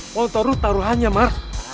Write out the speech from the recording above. motor lu taruh hanya mart